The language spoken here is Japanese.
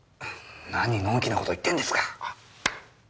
何のん気な事言ってんですか！